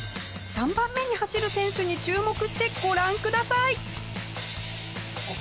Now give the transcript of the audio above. ３番目に走る選手に注目してご覧ください。